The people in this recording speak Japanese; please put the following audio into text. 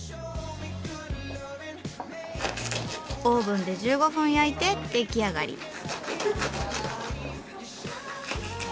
オーブンで１５分焼いて出来上がり。